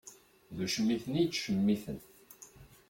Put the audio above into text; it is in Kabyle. D ucmiten i yettcemiten.